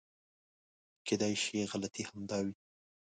کېدای شي غلطي همدا وي .